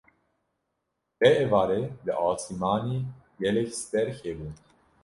Vê êvarê li asîmanî gelek stêrk hebûn.